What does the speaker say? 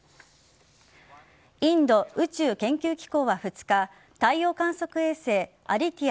インド宇宙研究機関は２日太陽観測衛星アディティヤ